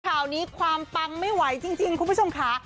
ข่าวนี้ความปังไม่ไหวจริงคุณผู้ชมค่ะ